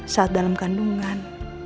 saat dalam kandungan